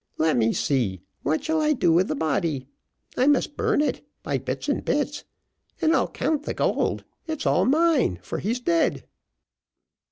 Let me see, what shall I do with the body? I must burn it, by bits and bits and I'll count the gold it's all mine, for he's dead."